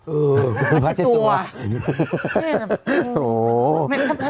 เออคุณพ่อเจ็ดตัวเออคุณพ่อเจ็ดตัว